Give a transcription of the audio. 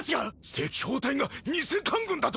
赤報隊が偽官軍だと！？